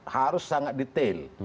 harus sangat detail